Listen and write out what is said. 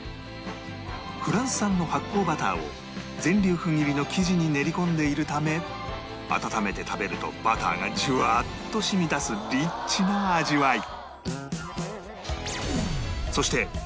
フランス産の発酵バターを全粒粉入りの生地に練り込んでいるため温めて食べるとバターがじゅわっと染み出すリッチな味わい